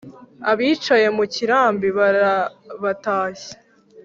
Abicaye mu kirambi barabatashya